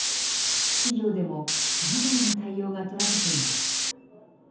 企業でもさまざまな対応が取られています。